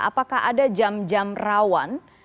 apakah ada jam jam rawan